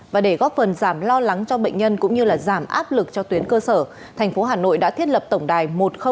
và để góp phần giảm lo lắng cho bệnh nhân cũng như giảm áp lực cho tuyến cơ sở thành phố hà nội đã thiết lập tổng đài một nghìn hai mươi hai